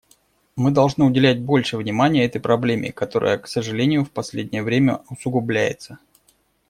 Мы должны уделять больше внимания этой проблеме, которая, к сожалению, в последнее время усугубляется.